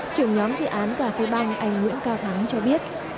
trưởng nhóm dự án cà phê ban anh nguyễn cao thắng cho biết